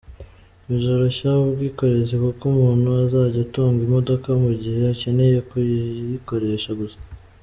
Bizoroshya ubwikorezi kuko umuntu azajya atunga imodoka mu gihe akeneye kuyikoresha gusa.